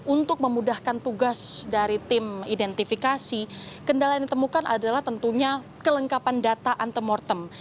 untuk memudahkan tugas dari tim identifikasi kendala yang ditemukan adalah tentunya kelengkapan data antemortem